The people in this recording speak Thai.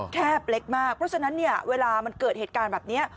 แคบเล็กมากเพราะฉะนั้นเนี่ยเวลามันเกิดเหตุการณ์แบบนี้